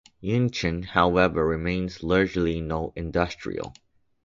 Yinchuan, however, remains largely non-industrial.